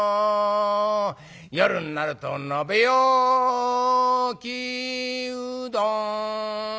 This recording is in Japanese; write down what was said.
夜になると「鍋焼きうどん」。